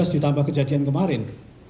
ditambah kejadian kemarin